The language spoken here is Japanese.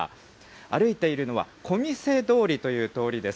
歩いているのはこみせ通りという通りです。